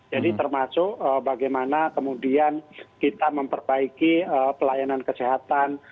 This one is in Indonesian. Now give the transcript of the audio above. jadi termasuk bagaimana kemudian kita memperbaiki pelayanan kesehatan